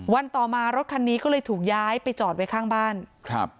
ต่อมารถคันนี้ก็เลยถูกย้ายไปจอดไว้ข้างบ้านครับ